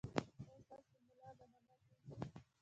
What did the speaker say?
ایا ستاسو ملا به نه ماتیږي؟